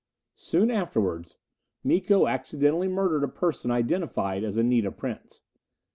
Soon afterwards Miko accidentally murdered a person identified as Anita Prince.